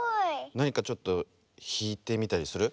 なにかちょっとひいてみたりする？